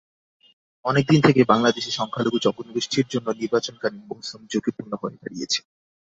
অনেক দিন থেকেই বাংলাদেশে সংখ্যালঘু জনগোষ্ঠীর জন্য নির্বাচনকালীন মৌসুম ঝুঁকিপূর্ণ হয়ে দাঁড়িয়েছে।